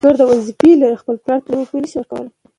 د دوى پر ځاى هغو خلكو ته مخه كړه